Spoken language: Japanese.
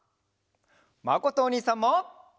まことおにいさんも。